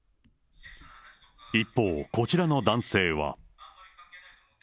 一方、こちらの男性は。